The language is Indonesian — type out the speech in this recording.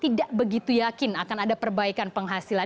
tidak begitu yakin akan ada perbaikan penghasilan